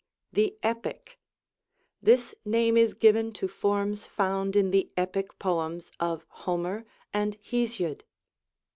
The JEpic. This name is given to forms fonnd in the Epic poems of Homer and Hesiod.